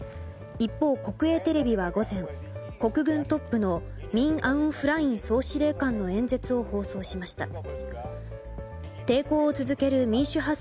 一方、国営テレビは午前国軍トップのミン・アウン・フライン総司令官の演説を放送しました。